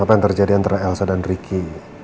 apa yang terjadi antara elsa dan ricky